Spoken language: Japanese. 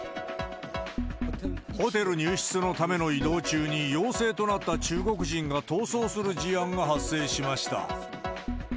ホテル入室のための移動中に、陽性となった中国人が逃走する事案が発生しました。